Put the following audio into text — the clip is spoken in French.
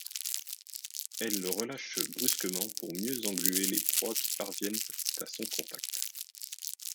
Elles le relâchent brusquement pour mieux engluer les proies qui parviennent à son contact.